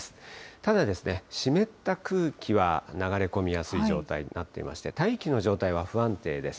ただ、湿った空気は流れ込みやすい状態になっていまして、大気の状態は不安定です。